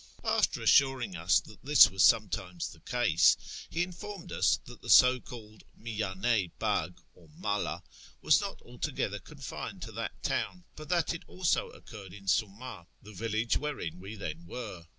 After assuring us that this was sometimes the case, he informed us that the so called " Miyan^ bug," or '' mala" was not altogether confined to that town, but that it also occurred in Suma, the FROM TABRIZ TO TEHERAN 67 village wherein we then were.